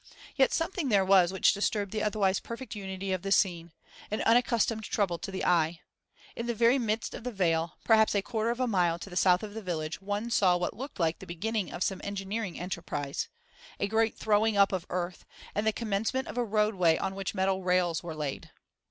Yet something there was which disturbed the otherwise perfect unity of the scene, an unaccustomed trouble to the eye. In the very midst of the vale, perhaps a quarter of a mile to the south of the village, one saw what looked like the beginning of some engineering enterprise a great throwing up of earth, and the commencement of a roadway on which metal rails were laid.